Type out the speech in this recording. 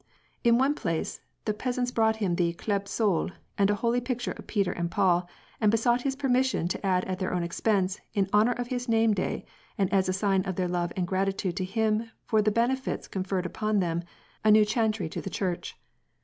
In one place, the peasants brought him the khly^sol and a holy picture of Peter and Paul, and besought his permission to add at their own expense, in honor of his name day and as a sign of their love and gratitude to him for the benefits con ferred upon them, a new chantry to the church.